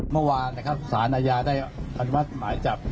เมื่อวานสารนายาได้คันวัฒน์หมายจาก